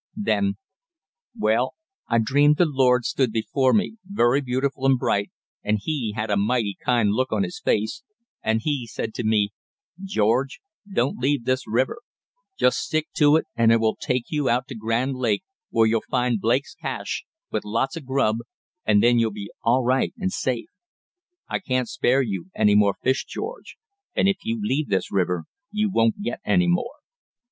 Then: "Well, I dreamed the Lord stood before me, very beautiful and bright, and He had a mighty kind look on His face, and He said to me: 'George, don't leave this river just stick to it and it will take you out to Grand Lake where you'll find Blake's cache with lots of grub, and then you'll be all right and safe. I can't spare you any more fish, George, and if you leave this river you won't get any more.